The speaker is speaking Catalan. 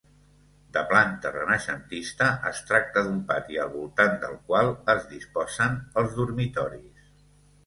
De planta renaixentista, es tracta d'un pati al voltant del qual es disposen els dormitoris.